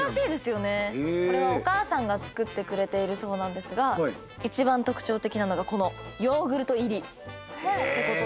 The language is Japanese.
これはお母さんが作ってくれているそうなんですが一番特徴的なのがこのヨーグルト入りってことで。